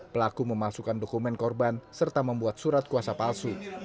pelaku memalsukan dokumen korban serta membuat surat kuasa palsu